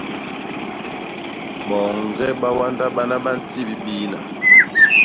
Boñge ba wanda bana ba ntip biina.